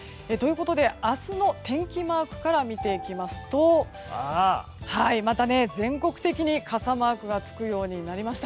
明日の天気マークから見ていきますとまた、全国的に傘マークがつくようになりました。